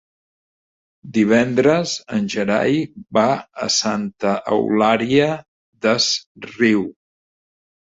Divendres en Gerai va a Santa Eulària des Riu.